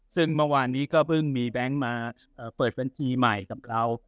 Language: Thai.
ซึ่งเมื่อวานนี้ก็เพิ่งมีแบงค์มาเปิดบัญชีใหม่กับเรา